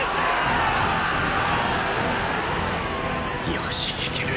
よし行ける！